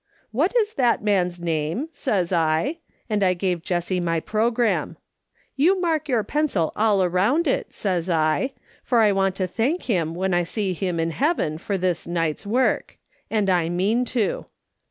'What is that man's name?' says I, and I gave Jessie my programme. ' You mark your pencil all around it,' says I, ' for I want to thank him when I see him in heaven for this night's work,' and I mean to.